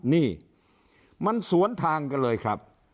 นี่มันสวนทางกันเลยครับ